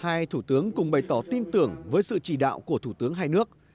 hai thủ tướng cùng bày tỏ tin tưởng với sự chỉ đạo của thủ tướng hai nước